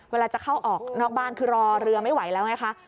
เวลาจะเข้าออกนอกบ้านคือรอเรือไม่ไหวแล้วไงคะ